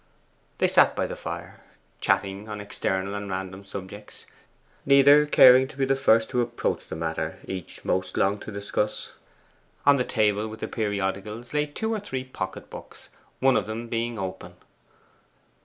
They sat by the fire, chatting on external and random subjects, neither caring to be the first to approach the matter each most longed to discuss. On the table with the periodicals lay two or three pocket books, one of them being open.